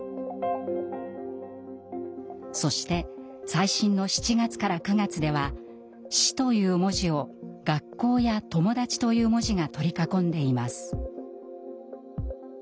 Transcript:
そして最新の７月から９月では「死」という文字を「学校」や「友達」という文字が取り囲んでいます。